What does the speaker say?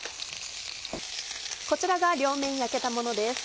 こちらが両面焼けたものです。